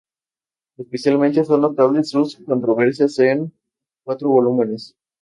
Especialmente son notables sus "Controversias" en cuatro volúmenes.